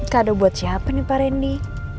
kado buat siapa nih pak randy